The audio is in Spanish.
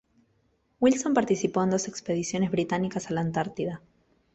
Wilson participó en dos expediciones británicas a la Antártida.